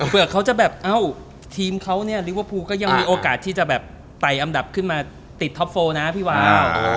เผื่อทีมเขาลิเวอร์พูก็ยังมีโอกาสที่จะไตอำดับขึ้นมาติดท็อป๔นะพี่วา